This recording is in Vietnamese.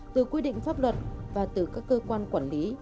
từ quy định pháp luật và từ các cơ quan quản lý